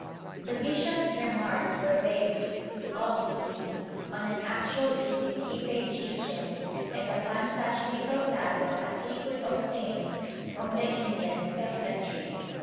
The bishop's remarks were based, obviously, on an actual visit he paid Chichen and upon such tittle tattle as he could obtain from the Indian peasantry.